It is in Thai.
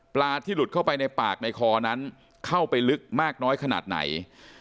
ที่หลุดเข้าไปในปากในคอนั้นเข้าไปลึกมากน้อยขนาดไหน